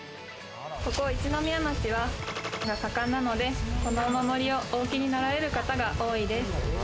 ここ、一宮町はが盛んなので、このお守りをお受けになられる方が多いです。